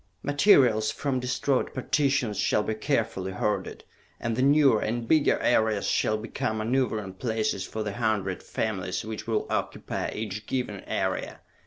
Materials from destroyed partitions shall be carefully hoarded, and the newer and bigger areas shall become maneuvering places for the hundred families which will occupy each given area!